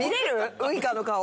ウイカの顔。